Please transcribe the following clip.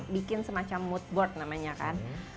bikin semacam mood board namanya kan